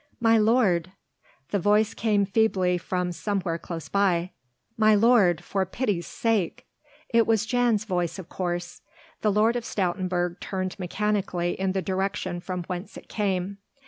"My lord!" The voice came feebly from somewhere close by. "My lord! for pity's sake!" It was Jan's voice of course. The Lord of Stoutenburg turned mechanically in the direction from whence it came.